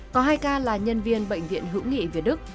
có hai ca là nhân viên bệnh viện hữu nghị việt đức